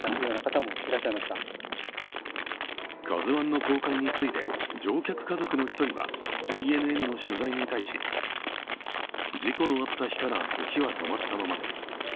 「ＫＡＺＵⅠ」の公開について乗客家族の一人はＪＮＮの取材に対し、事故のあった日から時は止まったままです。